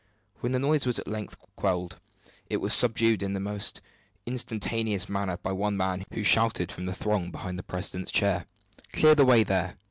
When the noise was at length quelled, it was subdued in the most instantaneous manner by one man, who shouted from the throng behind the president's chair: "Clear the way there!